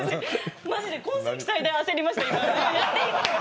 マジで今世紀最大焦りました。